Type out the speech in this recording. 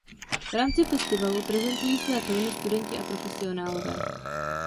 V rámci festivalu prezentují své filmy studenti a profesionálové.